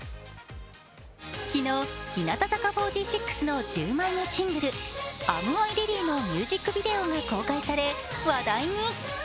昨日、日向坂４６の１０枚目のシングル「ＡｍＩｒｅａｄｙ？」のミュージックビデオが公開され話題に。